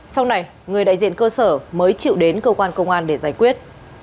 sau này người đại diện cơ sở mới chịu đến cơ quan công an để giải quyết